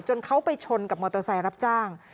เขาไปชนกับมอเตอร์ไซค์รับจ้าง